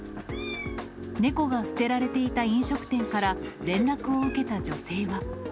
猫が捨てられていた飲食店から連絡を受けた女性は。